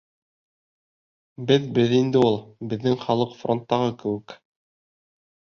— Беҙ беҙ инде ул, беҙҙең халыҡ фронттағы кеүек...